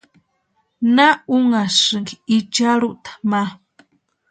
¿Na únhasïnki icharhuta ma?